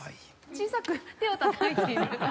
小さく手をたたいている。